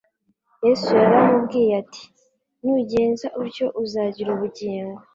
Yesu yaramubwiye ati: «Nugenza utyo uzagira ubugingo.»